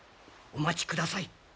お待ちください。